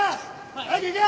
早く行け！